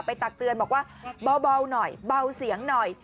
ตักเตือนบอกว่าเบาหน่อยเบาเสียงหน่อย